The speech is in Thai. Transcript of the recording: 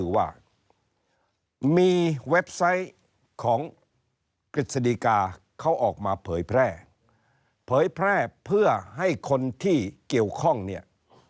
ว่ามีเว็บไซต์ของกฤษฎีกาเขาออกมาเผยแพร่เผยแพร่เพื่อให้คนที่เกี่ยวข้องเนี่ย